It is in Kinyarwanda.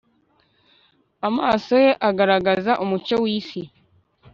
amaso ye agaragaza umucyo wisi